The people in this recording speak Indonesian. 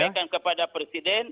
saya menyampaikan kepada presiden